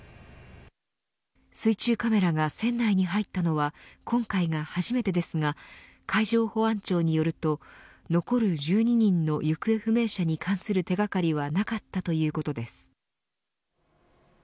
水中カメラが船内に入ったのは今回が初めてですが海上保安庁によると残る１２人の行方不明者に関する手掛かりはなかったということです。